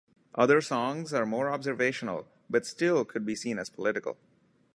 Other songs are more observational, but still could be seen as political.